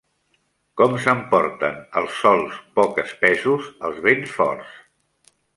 Com s'emporten els sòls poc espessos els vents forts?